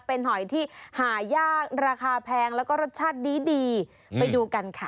เป็นหอยที่หายากราคาแพงแล้วก็รสชาติดีดีไปดูกันค่ะ